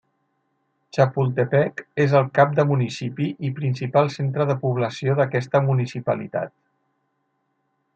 Chapultepec és el cap de municipi i principal centre de població d'aquesta municipalitat.